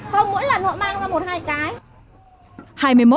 không mỗi lần họ mang ra một hai cái